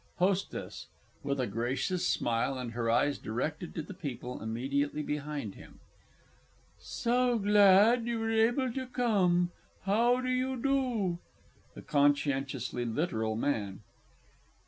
HOSTESS (with a gracious smile, and her eyes directed to the people immediately behind him). So glad you were able to come how do you do? THE CONSCIENTIOUSLY LITERAL MAN.